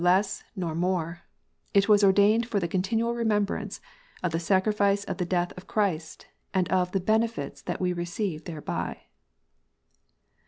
177 less nor more: "It was ordained for the continual remem brance of the sacrifice of the death of Christ, and of the benefits that we receive thereby."